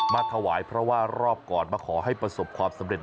มาถวายเพราะว่ารอบก่อนมาขอให้ประสบความสำเร็จ